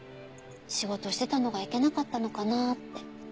仕事してたのがいけなかったのかなって。